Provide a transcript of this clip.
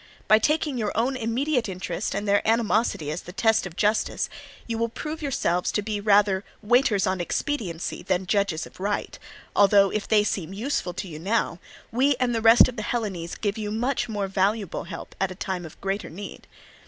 By taking your own immediate interest and their animosity as the test of justice, you will prove yourselves to be rather waiters on expediency than judges of right; although if they seem useful to you now, we and the rest of the Hellenes gave you much more valuable help at a time of greater need.